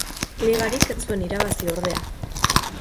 Ligarik ez zuen irabazi ordea.